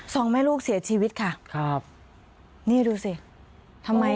สองแม่ลูกเสียชีวิตค่ะครับนี่ดูสิทำไม